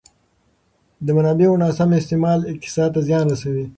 د منابعو ناسم استعمال اقتصاد ته زیان رسوي.